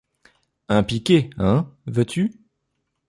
Un piquet, hein, veux-tu ?